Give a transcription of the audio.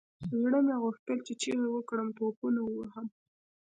زړه مې غوښتل چې چيغه وكړم ټوپونه ووهم.